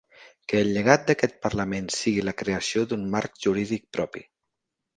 Que el llegat d’aquest parlament sigui la creació d’un marc jurídic propi.